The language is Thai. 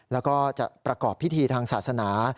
แล้วก็จะประกอบพิธีทางศาสนา